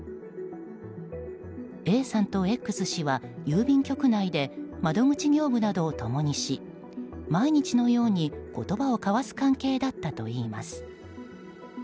ＡさんとＸ氏は、郵便局内で窓口業務などを共にし毎日のように言葉を交わす関係だったといいます。